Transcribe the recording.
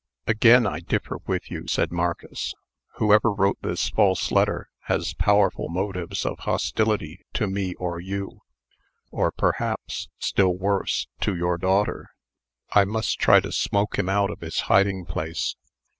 "Again I differ with you," said Marcus. "Whoever wrote this false letter, has powerful motives of hostility to me or you, or, perhaps worse still to your daughter. I must try to smoke him out of his hiding place.